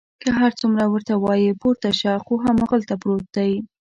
که هر څومره ورته وایي پورته شه، خو هماغلته پروت دی.